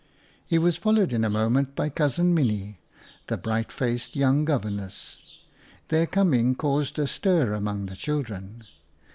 He was followed in a moment by Cousin Minnie, the bright faced young governess. Their coming caused a stir among the children.